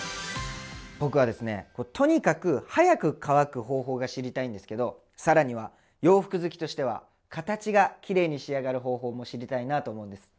僕はですねとにかく早く乾く方法が知りたいんですけど更には洋服好きとしては形がきれいに仕上がる方法も知りたいなと思うんです。